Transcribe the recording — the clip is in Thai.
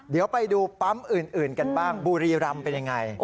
เดี๋ยวไปดูปั๊มอื่นกันบ้างบุรีรำเป็นยังไง